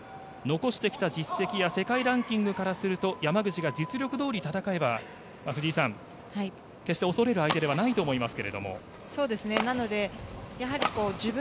残してきた実績や世界ランキングからすると山口が実力どおり戦えば決して恐れる相手ではないと思いますが。